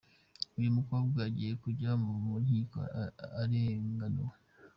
Uyu mukobwa agiye kujya mu nkiko arenganurwe.